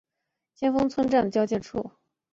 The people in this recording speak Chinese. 先锋村站的交界处。